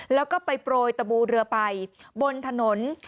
แล้วก็ไปโปรยตะบูเรือไปบนถนน